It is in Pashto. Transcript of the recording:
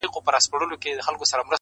o اصل خطا نلري، کم اصل وفا نه لري.